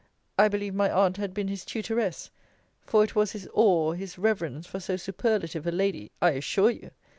I believe my aunt had been his tutoress; for it was his awe, his reverence for so superlative a Lady [I assure you!